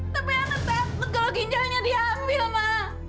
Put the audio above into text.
tapi anak takut kalau ginjalnya diambil ma